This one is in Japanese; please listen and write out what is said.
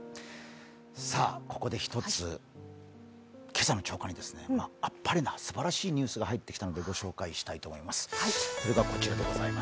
ここで１つ、今朝の朝刊にあっぱれなすばらしいニュースが入ってきたので、ご紹介したいと思います。